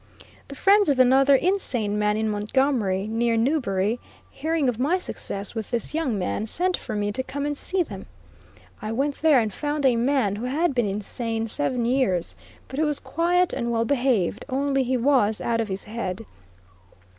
The friends of another insane man in Montgomery, near Newbury, hearing of my success with this young man, sent for me to come and see them. I went there and found a man who had been insane seven years, but who was quiet and well behaved, only he was "out of his head."